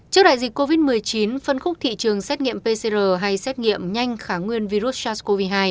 trước đại dịch covid một mươi chín phân khúc thị trường xét nghiệm pcr hay xét nghiệm nhanh khả nguyên virus sars cov hai